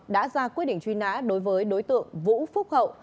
đã ra quyết định truy nã đối với đối tượng vũ phúc hậu